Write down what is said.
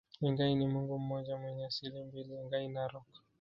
Engai ni Mungu mmoja mwenye asili mbili Engai Narok